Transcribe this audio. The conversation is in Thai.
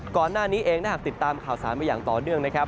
ก่อนหน้านี้เองถ้าหากติดตามข่าวสารมาอย่างต่อเนื่องนะครับ